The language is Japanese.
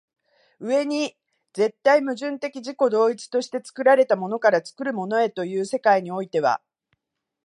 上に絶対矛盾的自己同一として作られたものから作るものへという世界においては